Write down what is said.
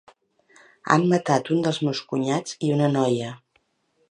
Han matat un dels meus cunyats i una noia.